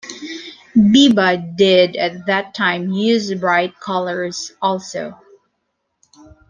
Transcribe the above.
Biba did at that time use bright colours also.